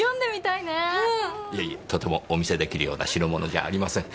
いえとてもお見せ出来るような代物じゃありません。